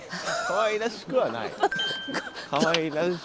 かわいらしくはない。